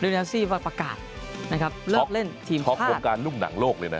เรียนแนวซี่ว่าประกาศนะครับเลิกเล่นทีมชาติโชคโครงการลุ่มหนังโลกเลยนะ